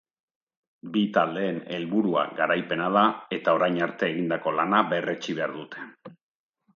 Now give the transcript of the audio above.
Bi taldeen helburua garaipena da eta orain arte egindako lana berretsi behar dute.